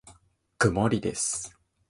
曇りです。